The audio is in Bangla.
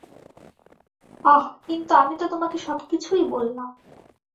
আহ, কিন্তু আমি তো তোমাকে সব কিছুই বললাম।